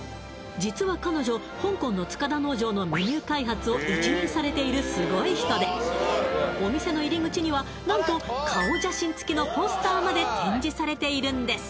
実は彼女香港の塚田農場のメニュー開発を一任されているすごい人でお店の入り口には何とまで展示されているんです